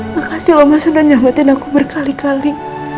makasih lo mas dan nyametin aku berkali kali